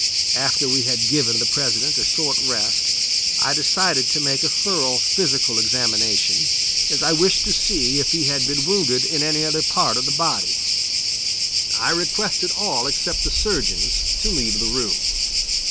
After we had given the President a short rest I decided to make a thorough physical examination, as I wished to see if he had been wounded in any other part of the body. I requested all except the surgeons to leave the room.